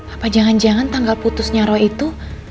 apa jangan jangan tanggal putusnya roh itu